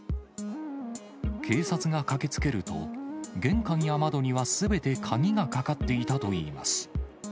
警察が駆けつけると、玄関や窓にはすべて鍵がかかっていたといいます。